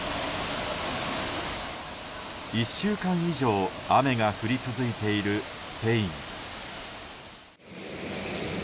１週間以上、雨が降り続いているスペイン。